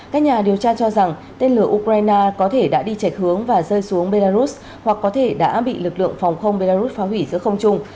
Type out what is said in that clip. các nhà điều tra cho rằng tên lửa ukraine có thể đã đi chạch hướng và rơi xuống belarus hoặc có thể đã bị lực lượng phòng không belarus phá hủy giữa không trung